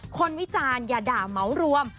วิจารณ์อย่าด่าเหมารวม